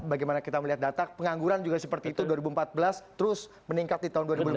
bagaimana kita melihat data pengangguran juga seperti itu dua ribu empat belas terus meningkat di tahun dua ribu lima belas